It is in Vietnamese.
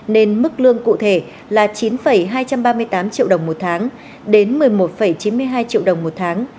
nên mức lương cụ thể là chín hai trăm ba mươi tám triệu đồng một tháng đến một mươi một chín mươi hai triệu đồng một tháng